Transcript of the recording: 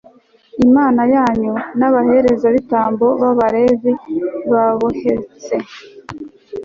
imana yanyu, n'abaherezabitambo b'abalevi babuhetse